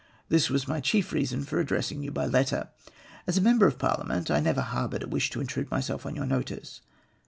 This was my chief reason for addressing you by letter. "As a member of Parliament I never harboured a wish to intrude myself on j^our notice.